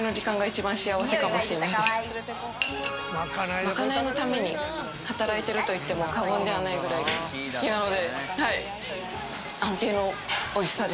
賄いのために働いてると言っても過言ではないぐらい好きなので。